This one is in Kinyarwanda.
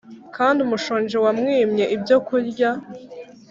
kandi umushonji wamwimye ibyokurya